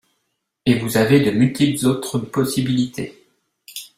Et vous avez de multiples autres possibilités.